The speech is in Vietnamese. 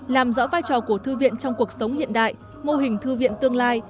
làm rõ vai trò của thư viện trong cuộc sống hiện đại mô hình thư viện tương lai